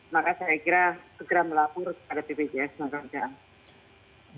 maka saya kira segera melaporkan kepada bgjs naga kerjaan